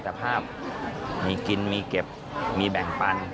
ความอัตภาพมีกินมีเก็บมีแบ่งปัน